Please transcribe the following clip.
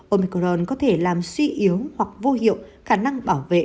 omicron có thể làm suy yếu hoặc vô hiệu khả năng bảo vệ